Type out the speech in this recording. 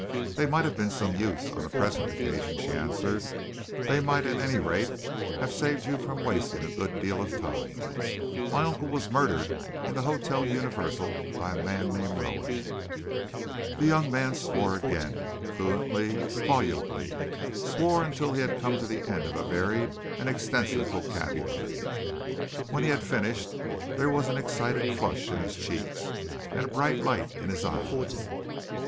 "They might have been of some use on the present occasion," she answered. "They might at any rate have saved you from wasting a good deal of time. My uncle was murdered in the Hotel Universal by a man named Rowan." The young man swore again, fluently, volubly, swore until he had come to the end of a varied and extensive vocabulary. When he had finished, there was an excited flush in his cheeks and a bright light in his eyes.